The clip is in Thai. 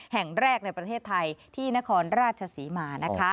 แห่งแรกในประเทศไทยที่นครราชศรีมา